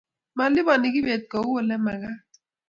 malipana kibet kou ole magat